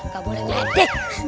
gak boleh medek